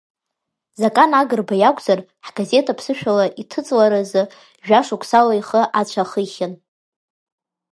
Закан Агрба иакәзар, ҳгазеҭ аԥсышәала иҭыҵларазы жәашықәсала ихы ацәа ахихьан.